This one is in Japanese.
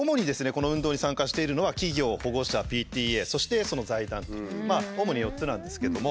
この運動に参加しているのは企業保護者ＰＴＡそしてその財団と主に４つなんですけれども。